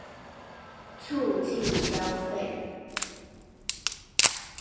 促進消費